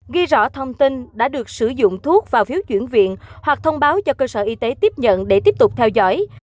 ghi rõ thông tin đã được sử dụng thuốc vào phiếu chuyển viện hoặc thông báo cho cơ sở y tế tiếp nhận để tiếp tục theo dõi